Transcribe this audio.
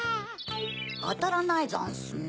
あたらないざんすね。